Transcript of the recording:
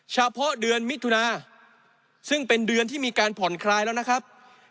เฉพาะเดือนมิถุนาซึ่งเป็นเดือนที่มีการผ่อนคลายแล้วนะครับ